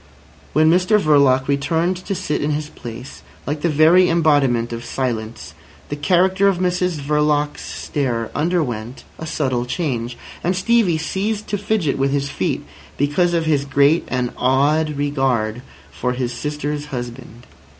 When Mr Verloc returned to sit in his place, like the very embodiment of silence, the character of Mrs Verloc's stare underwent a subtle change, and Stevie ceased to fidget with his feet, because of his great and awed regard for his sister's husband.